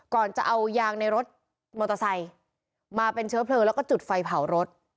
ก่อนจะเอายางในรถมอเตอร์ไซค์มาเป็นเชื้อเพลิงแล้วก็จุดไฟเผารถ